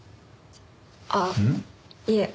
ああいえ。